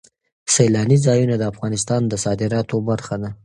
سیلانی ځایونه د افغانستان د صادراتو برخه ده.